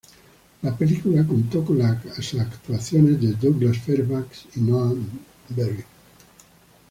La película contó con las actuaciones de Douglas Fairbanks y Noah Beery.